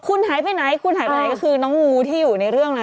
คุณหายไปไหนคุณหายไปไหนก็คือน้องงูที่อยู่ในเรื่องนั้น